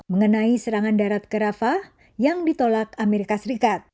mengenai serangan darat ke rafa yang ditolak amerika serikat